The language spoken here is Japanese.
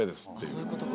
そういうことか。